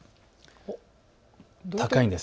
高いんです。